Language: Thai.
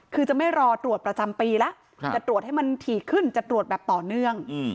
คือจะไม่รอตรวจประจำปีแล้วจะตรวจให้มันถี่ขึ้นจะตรวจแบบต่อเนื่อง